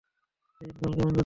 দিনকাল কেমন যাচ্ছে?